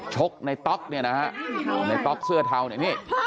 ชกในต๊อกเนี่ยนะฮะในต๊อกเสื้อเทาเนี่ยนี่